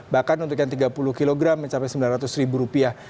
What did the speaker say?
bahkan untuk yang tiga puluh kg mencapai sembilan ratus ribu rupiah